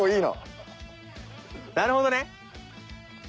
なるほどね。